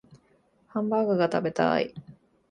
ハンバーグが食べたい